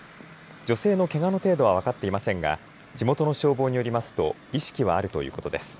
女性のけがの程度は分かっていませんが地元の消防によりますと意識はあるということです。